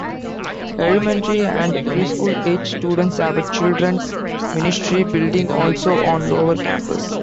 Elementary and preschool age students have a Children's Ministry building also on lower campus.